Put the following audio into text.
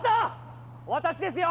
私ですよ